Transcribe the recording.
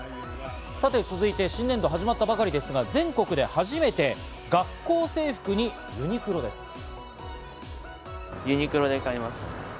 さて続いて新年度始まったばかりですが、全国で初めて学校制服にユニクロです。